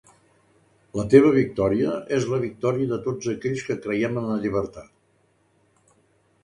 La teva victòria és la victòria de tots aquells que creiem en la llibertat.